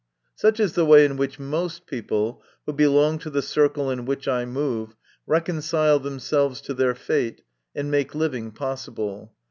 Such is the way in which most people, who belong to the circle in which I move, reconcile themselves to their fate, and make living pos sible.